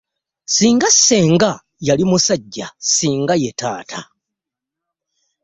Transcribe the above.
Singa senga yali musajja singa ye taata.